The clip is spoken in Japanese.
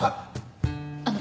あっ！